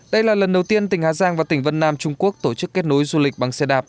đây là lần đầu tiên tỉnh hà giang và tỉnh vân nam trung quốc tổ chức kết nối du lịch bằng xe đạp